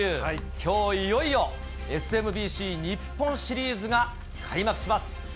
きょう、いよいよ、ＳＭＢＣ日本シリーズが開幕します。